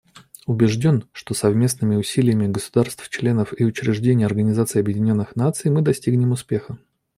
Убежден, что совместными усилиями государств-членов и учреждений Организации Объединенных Наций мы достигнем успеха.